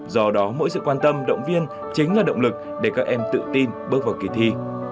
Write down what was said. do đó mỗi sự quan tâm động viên chính là động lực để các em tự tin bước vào kỳ thi